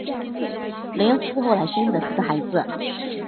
雷恩夫妇后来生育了四个孩子。